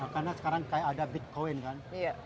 karena sekarang kayak ada bitcoin kan